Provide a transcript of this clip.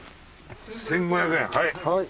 １，５００円はい。